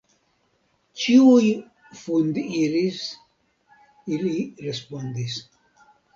Ĉiuj fundiris, li respondis.